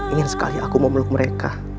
ingin sekali aku memeluk mereka